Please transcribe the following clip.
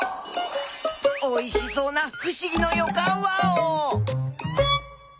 おいしそうなふしぎのよかんワオ！